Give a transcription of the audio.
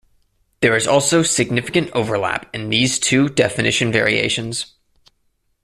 There is also significant overlap in these two definition variations.